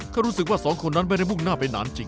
ก็รู้สึกว่าสองคนนั้นไม่ได้มุ่งหน้าไปนานจริง